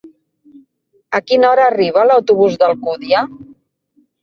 A quina hora arriba l'autobús d'Alcúdia?